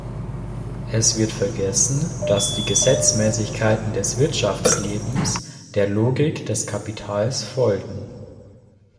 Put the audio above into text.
Es wird vergessen, dass die Gesetzmäßigkeiten des Wirtschaftslebens der Logik des Kapitals folgen.